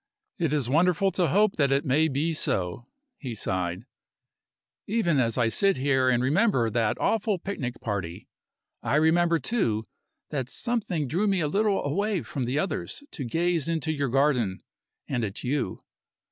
"It is wonderful to hope that it may be so," he sighed. "Even as I sit here and remember that awful picnic party, I remember, too, that something drew me a little away from the others to gaze into your garden and at you.